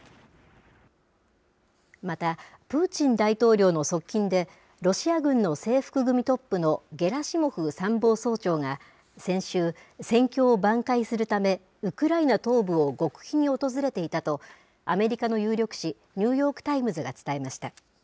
また、プーチン大統領の側近で、ロシア軍の制服組トップのゲラシモフ参謀総長が先週、戦況を挽回するため、ウクライナ東部を極秘に訪れていたと、アメリカの有力紙、ニューヨーク・タイムズが伝えました。